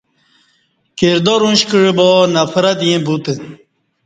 کردار اُش کعہ با نفرت ییں بوتہ